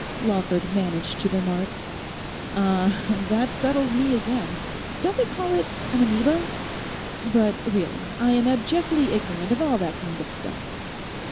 Lawford managed to remark. 'Ah, that settles me again. Don't they call it an amoeba? But really I am abjectly ignorant of all that kind of stuff.